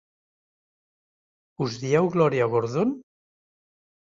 Us dieu Gloria Gordon?